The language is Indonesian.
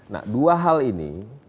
nah dua hal ini